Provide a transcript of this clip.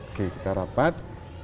oke kita rapat